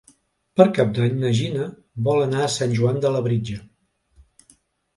Per Cap d'Any na Gina vol anar a Sant Joan de Labritja.